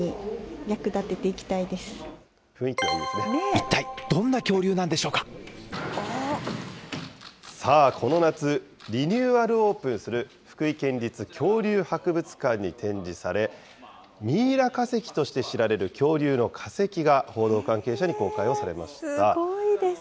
一体、さあ、この夏、リニューアルオープンする福井県立恐竜博物館に展示され、ミイラ化石として知られる恐竜の化石が報道関係者に公開をされますごいです。